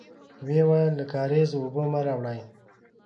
ويې ويل: له کارېزه اوبه مه راوړی!